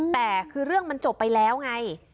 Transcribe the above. แต่คือเรื่องมันจบไปแล้วไง